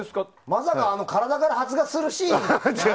まさか体から発芽するシーンは。